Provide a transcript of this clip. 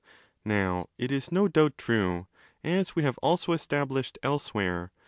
Now it is no doubt true, as we have also established else where